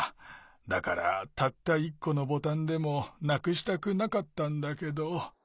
だからたった１このボタンでもなくしたくなかったんだけど。